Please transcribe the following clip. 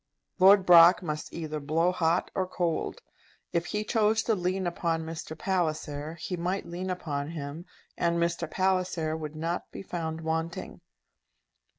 Lord Brock must either blow hot or cold. If he chose to lean upon Mr. Palliser, he might lean upon him, and Mr. Palliser would not be found wanting.